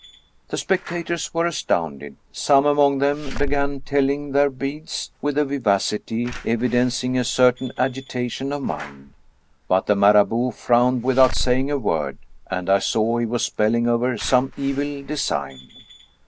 The spectators were astounded. Some among them be gan telling their beads with a vivacity evidencing a certain agitation of mind ; but the Marabout frowned without say ing a word, and I saw he was spelling over some evil design.